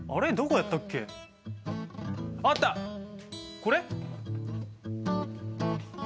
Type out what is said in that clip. これ？